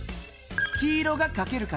黄色がかける数。